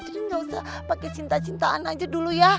jadi gak usah pake cinta cintaan aja dulu ya